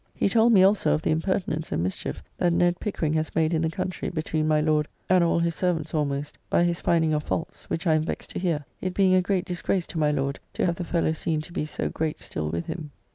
He told me also of the impertinence and mischief that Ned Pickering has made in the country between my Lord and all his servants almost by his finding of faults, which I am vexed to hear, it being a great disgrace to my Lord to have the fellow seen to be so great still with him.